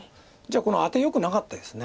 じゃあこのアテよくなかったです。